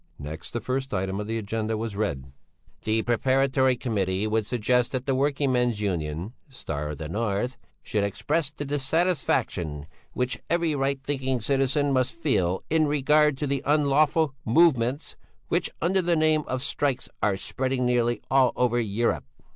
Next the first item of the agenda was read: "The Preparatory Committee would suggest that the working men's union 'Star of the North' should express the dissatisfaction which every right thinking citizen must feel in regard to the unlawful movements which under the name of strikes are spreading nearly all over Europe."